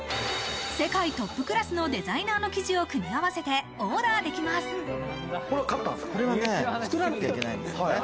世界トップクラスのデザイナーの生地を組み合わせてオーダーできこれは買ったんですか？